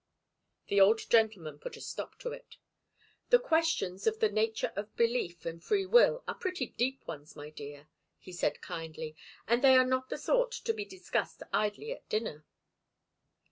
The old gentleman put a stop to it. "The questions of the nature of belief and free will are pretty deep ones, my dear," he said, kindly, "and they are not of the sort to be discussed idly at dinner."